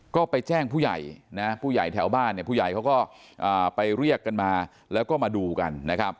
ก็ไปแจ้งผู้ใหญ่นะผู้ใหญ่แถวบ้านเนี่ยผู้ใหญ่เขาก็ไปเรียกกันมาแล้วก็มาดูกันนะครับ